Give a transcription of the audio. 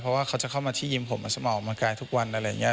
เพราะว่าเขาจะเข้ามาที่ยิมผมออกกำลังกายทุกวันอะไรอย่างนี้